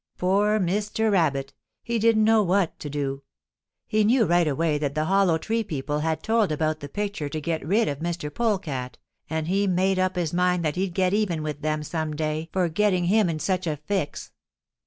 "Poor Mr. Rabbit! He didn't know what to do. He knew right away that the Hollow Tree people had told about the picture to get rid of Mr. Polecat, and he made up his mind that he'd get even with them some day for getting him in such a fix.